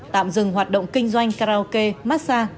tạm dừng hoạt động kinh doanh karaoke massage